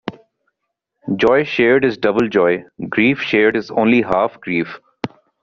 Joy shared is double joy; grief shared is only half grief.